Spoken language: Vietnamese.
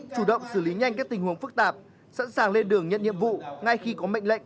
chủ động xử lý nhanh các tình huống phức tạp sẵn sàng lên đường nhận nhiệm vụ ngay khi có mệnh lệnh